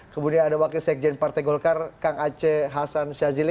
kemudian ada wakil sekjen partai golkar kang aceh hasan syazili